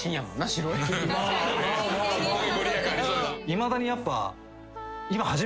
いまだにやっぱ。